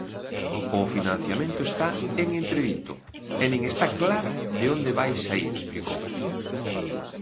O financiamento está en entredito, e nin está claro de onde vai saír explicou.